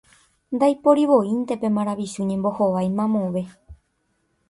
Ndaiporivoínte pe maravichu ñembohovái mamove.